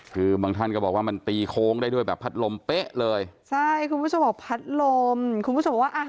คือบางท่านก็บอกว่ามันตีโค้งได้ด้วยแบบพัดลมเป๊ะเลยใช่คุณผู้ชมบอกพัดลมคุณผู้ชมบอกว่าอ่ะ